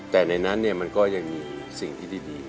แต่ในนั้นมันก็ยังมีสิ่งที่ดี